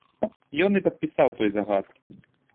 Ён і падпісаў той загад.